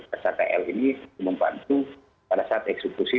psat l ini membantu pada saat eksekusi